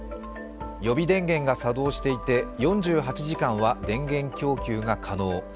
予備電源が作動していて４８時間は電源供給が可能。